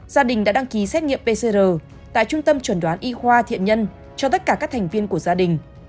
gia đình đã đăng ký xét nghiệm pcr tại trung tâm chuẩn đoán y khoa thiện nhân cho tất cả các thành viên của gia đình